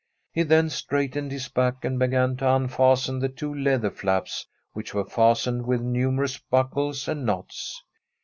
He then strai^tened his back, and began to unfasten the two leather flaps, which were bstened with numerous buckles and knots.